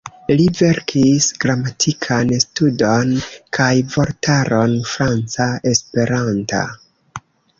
Li verkis gramatikan studon kaj vortaron franca-esperanta.